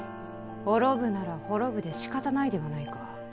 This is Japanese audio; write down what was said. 滅ぶなら滅ぶでしかたないではないか。